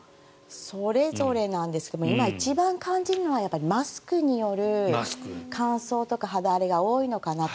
それぞれなんですが今一番感じるのはマスクによる乾燥とか肌荒れが多いのかなと。